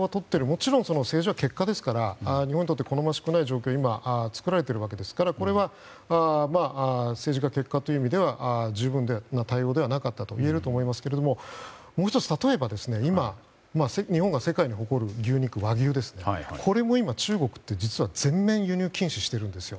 もちろん政治は結果ですから日本にとって好ましくない状況が今作られているわけですからこれは政治は結果という意味では十分な対応ではなかったといえますがもう１つ、例えば今、日本が世界に誇る和牛も中国って実は全面輸入禁止してるんですよ。